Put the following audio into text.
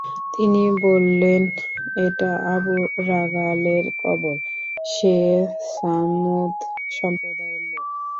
তিনি বললেন, এটা আবু রাগালের কবর, সে ছামূদ সম্প্রদায়ের লোক।